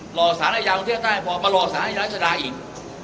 หล่อสารศาลด้ายพร้อมมาหล่อสารอาจดาอีก